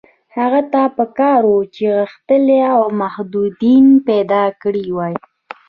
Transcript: هغه ته په کار وه چې غښتلي متحدین پیدا کړي وای.